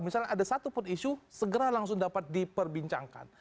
misalnya ada satu pun isu segera langsung dapat diperbincangkan